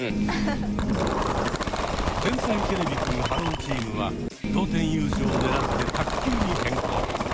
天才てれびくんｈｅｌｌｏ，チームは同点優勝を狙って卓球に変更。